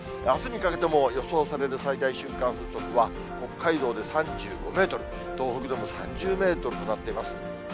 あすにかけて予想される最大瞬間風速は、北海道で３５メートル、東北でも３０メートルとなっています。